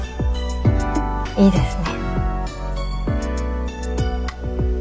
いいですね。